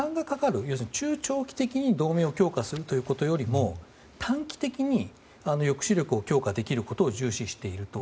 要するに中長期的に同盟を強化するよりも短期的に抑止力を強化できることを重視していると。